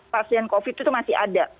pasien covid itu masih ada